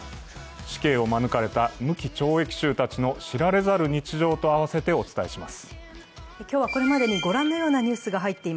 死刑を免れた無期懲役囚の知られざる日常と合わせてお伝えします。